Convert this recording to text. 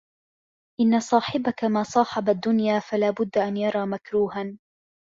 إنَّ صَاحِبَك مَا صَاحَبَ الدُّنْيَا فَلَا بُدَّ أَنْ يَرَى مَكْرُوهًا